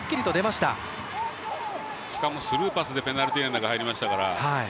しかもスルーパスでペナルティーエリアに入りましたから。